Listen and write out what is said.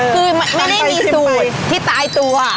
คือไม่ได้มีสูตรที่ตายตัว